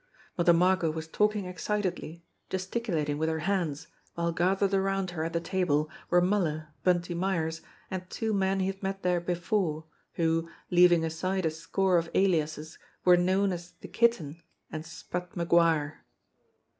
Mother Margot was talking excitedly, gesticulating with her hands, while gathered around her at the table were Muller, Bunty Myers, and two men he had met there be fore, who, leaving aside a score of aliases, were known as the Kitten and Spud MacGuire.